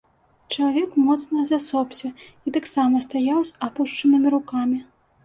Чалавек моцна засопся і таксама стаяў з апушчанымі рукамі.